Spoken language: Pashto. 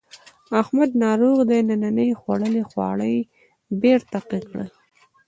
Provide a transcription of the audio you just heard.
احمد ناروغ دی ننني خوړلي خواړه یې بېرته قی کړل.